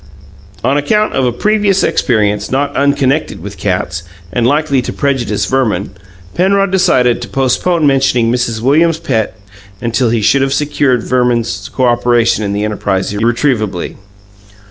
On account of a previous experience not unconnected with cats, and likely to prejudice Verman, Penrod decided to postpone mentioning Mrs. Williams's pet until he should have secured Verman's cooperation in the enterprise irretrievably.